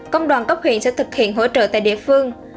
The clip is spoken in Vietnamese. công đoàn cấp huyện sẽ thực hiện hỗ trợ tại địa phương